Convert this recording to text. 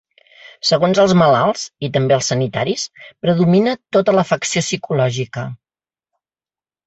Segons els malalts, i també els sanitaris, predomina tota l’afecció psicològica.